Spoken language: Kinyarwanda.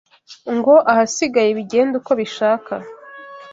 ngo ahasigaye bigende uko bishaka